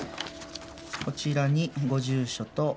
こちらにご住所とお名前